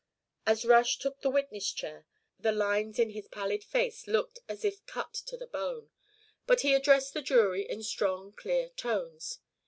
As Rush took the witness chair, the lines in his pallid face looked as if cut to the bone, but he addressed the jury in strong clear tones.